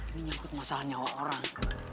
ini nyangkut masalah nyawa orang